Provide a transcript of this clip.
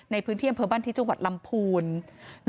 ในพื้นเที่ยมเพิ่มบ้านที่จังหวัดลำภูนิ